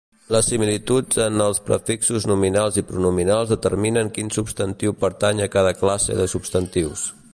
Les similituds en els prefixos nominals i pronominals determinen quin substantiu pertany a cada classe de substantius.